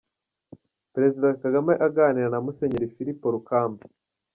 Perezida Kagame aganira na Musenyeri Filipo Rukamba.